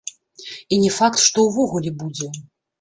І не факт, што ўвогуле будзе.